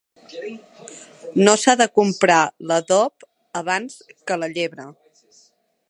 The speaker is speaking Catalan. No s'ha de comprar l'adob abans que la llebre.